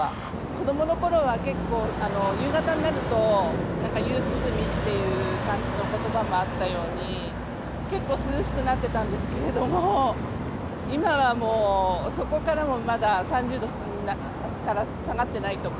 子どものころは結構、夕方になると、夕涼みっていう感じのことばもあったように、結構涼しくなってたんですけれども、今はもう、そこからもまだ３０度から下がってないとか。